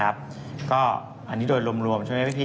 อันนี้โดยรวมใช่ไหมพี่